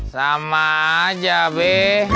sama aja be